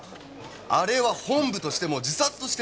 あれは本部としても自殺として。